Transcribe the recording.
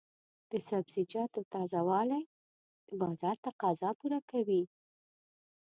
د سبزیجاتو تازه والي د بازار تقاضا پوره کوي.